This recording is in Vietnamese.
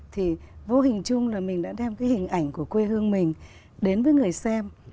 thì vô hình chung là mình đã đem cái hình ảnh của quê hương mình đến với người xem